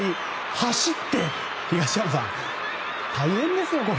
走って、東山さん大変ですよ、これ。